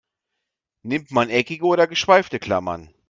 Nimmt man eckige oder geschweifte Klammern?